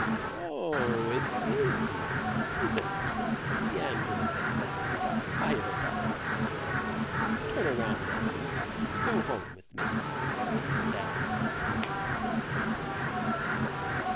"Oh, it is you, is it, meandering at night like a firebug. Turn around now and go home with me," he said, cordially.